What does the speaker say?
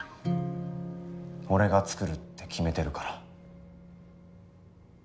俺が造るって決めてるから。